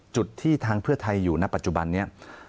จุดที่ทางเพื่อไทยอยู่ณปัจจุบันนี้